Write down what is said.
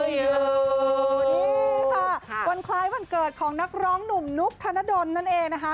นี่ค่ะวันคล้ายวันเกิดของนักร้องหนุ่มนุ๊กธนดลนั่นเองนะคะ